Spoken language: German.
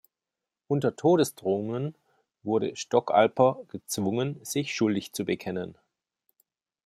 Unter Todesdrohungen wurde Stockalper gezwungen, sich schuldig zu bekennen.